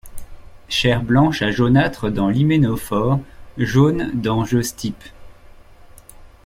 Chair blanche à jaunâtre dans l'hyménophore, jaune dans je stipe.